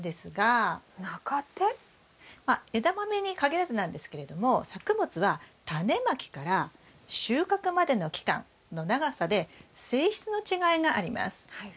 まあエダマメに限らずなんですけれども作物はタネまきから収穫までの期間の長さで性質の違いがあります。